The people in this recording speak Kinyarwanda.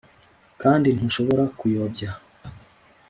kandi ntushobora kuyobya.